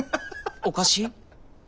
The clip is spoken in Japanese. おかしい？